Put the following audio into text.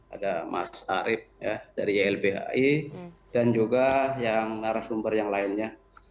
ada mas arief dari ylbhi dan juga yang narasumber yang lainnya